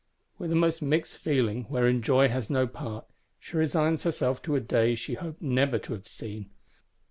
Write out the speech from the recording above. With a most mixed feeling, wherein joy has no part, she resigns herself to a day she hoped never to have seen.